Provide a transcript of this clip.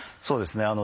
そうですね